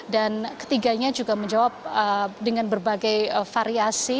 dan ketiganya juga menjawab dengan berbagai variasi